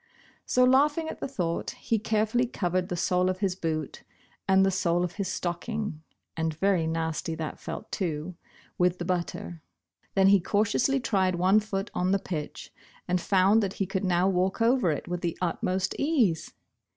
So laughing at the thought, he carefully covered the sole of his boot and the sole of his stocking (and very nasty that felt, too) with the butter. Then he cautiously tried one foot on the pitch, and found that he could now walk over it with the utmost ease